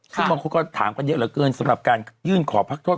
ซึ่งบางคนก็ถามกันเยอะเหลือเกินสำหรับการยื่นขอพักโทษ